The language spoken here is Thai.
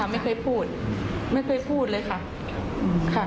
ไม่เคยพูดไม่เคยพูดเลยค่ะ